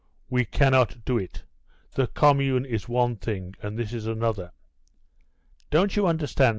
"We cannot do it; the commune is one thing, and this is another." "Don't you understand?"